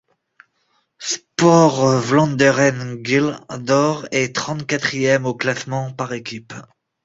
Sport Vlaanderen-Guill D'or est trente-quatrième au classement par équipes.